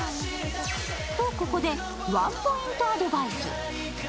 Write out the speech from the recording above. ここでワンポイントアドバイス。